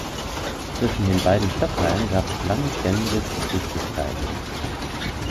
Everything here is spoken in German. Zwischen den beiden Stadtteilen gab es lange ständige Zwistigkeiten.